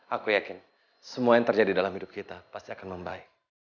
aku yakin semua yang terjadi dalam hidup kita pasti akan membaik